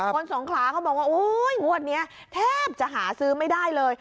สงขลาเขาบอกว่างวดนี้แทบจะหาซื้อไม่ได้เลย